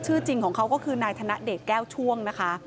จริงของเขาก็คือนายธนเดชแก้วช่วงนะคะ